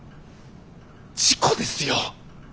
事故ですよ！